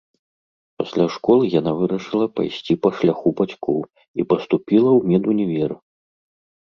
Пасля школы яна вырашыла пайсці па шляху бацькоў і паступіла ў медунівер.